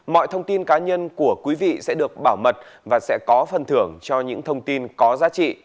mọi thông tin cá nhân của quý vị sẽ được bảo mật và sẽ có phần thưởng cho những thông tin có giá trị